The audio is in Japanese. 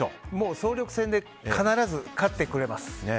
総力戦で必ず勝ってくれます。